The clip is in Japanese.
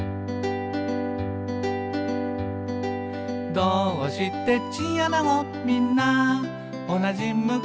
「どーうしてチンアナゴみんなおなじ向き？」